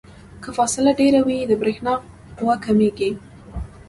که فاصله ډیره وي د برېښنا قوه کمیږي.